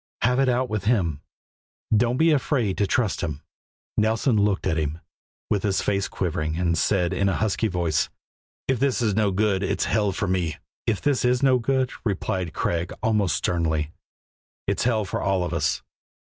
Have it out with Him. Don't be afraid to trust Him." Nelson looked at him, with his face quivering, and said in a husky voice: "If this is no good, it's hell for me." "If it is no good," replied Craig almost sternly, "it's hell for all of us."